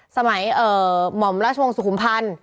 สมัยหม่อมราชวงศ์สุขุมพันธ์